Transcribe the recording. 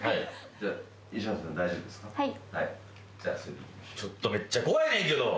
はい。